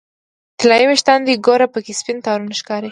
طلایې ویښان دې ګوره پکې سپین تارونه ښکاري